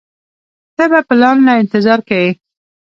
ته به پلان له انتظار کيې.